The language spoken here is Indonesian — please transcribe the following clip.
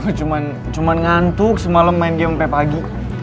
oh cuma ngantuk semalam main game sampai pagi